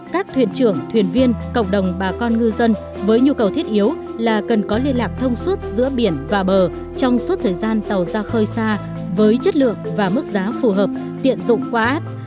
các thuyền trưởng thuyền viên cộng đồng bà con ngư dân với nhu cầu thiết yếu là cần có liên lạc thông suốt giữa biển và bờ trong suốt thời gian tàu ra khơi xa với chất lượng và mức giá phù hợp tiện dụng quá áp